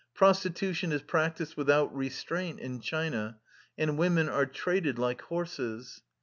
Prostitution is practised without restraint in China, and women are traded like horses.